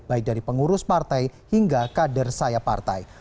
baik dari pengurus partai hingga kader saya partai